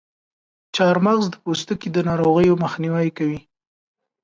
چارمغز د پوستکي د ناروغیو مخنیوی کوي.